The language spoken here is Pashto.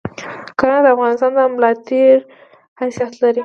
کرهنه د افغانستان د ملاتیر حیثیت لری